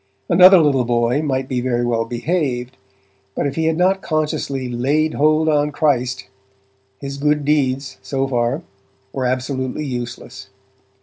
Another little boy might be very well behaved, but if he had not consciously 'laid hold on Christ', his good deeds, so far, were absolutely useless.